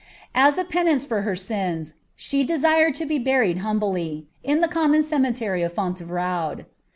As a penance for her sins, she desired to be buried hn common cemetery at Fontevraud.